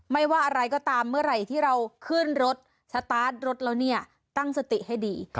ไม่ว่าอะไรก็ตามเมื่อไหร่ที่เราขึ้นรถโต๊ะเราตั้งสติให้ดี